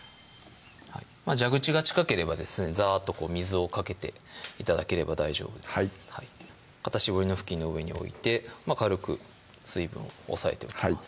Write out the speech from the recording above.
蛇口が近ければザーッと水をかけて頂ければ大丈夫ですかた絞りの布巾の上に置いて軽く水分押さえておきます